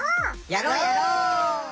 やろうやろう！